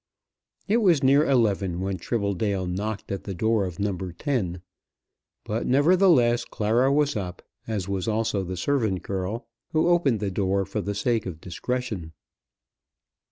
It was near eleven when Tribbledale knocked at the door of No. 10, but nevertheless Clara was up, as was also the servant girl, who opened the door for the sake of discretion.